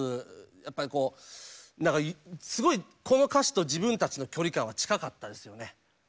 やっぱりこうすごいこの歌詞と自分たちの距離感は近かったですよね。